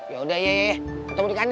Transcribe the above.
yaudah iya iya ketemu di kantin ya